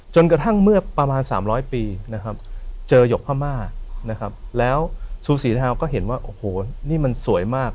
จนกระทั่งเมื่อประมาณ๓๐๐ปีเจอหยกพม่าแล้วสูสีเท้าก็เห็นว่านี่มันสวยมาก